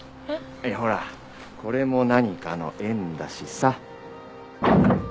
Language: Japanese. いやほらこれも何かの縁だしさ。